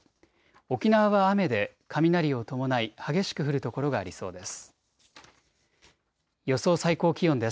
沖縄は雨で雷を伴い激しく降る所がありそうです。